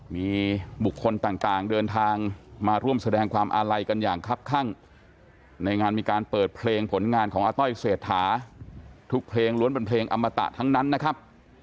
มีบุคคลต่างเดินทางมาร่วมแสดงความอาลัยกันอย่างคับข้างในงานมีการเปิดเพลงผลงานของอาต้อยเศรษฐาทุกเพลงล้วนเป็นเพลงอมตะทั้งนั้นนะครับ